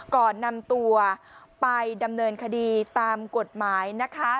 ก่อนนำตัวไปดำเนินคดีตามกฎหมายนะคะ